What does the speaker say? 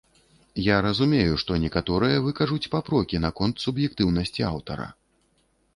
Я разумею, што некаторыя выкажуць папрокі наконт суб'ектыўнасці аўтара.